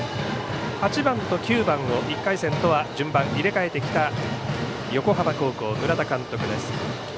８番と９番を１回戦とは順番、入れ替えてきた横浜高校、村田監督です。